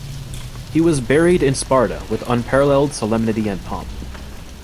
He was buried in Sparta, with unparalleled solemnity and pomp.